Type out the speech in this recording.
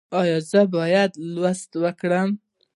ایا زه باید لوستل وکړم؟